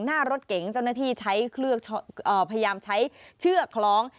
หน้ารถเก๋งเจ้าหน้าที่ใช้พยายามใช้เชือกคล้อง